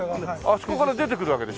あそこから出てくるわけでしょ？